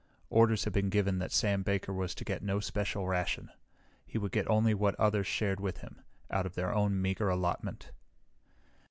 Orders had been given that Sam Baker was to get no special ration. He would get only what others shared with him out of their own meager allotment.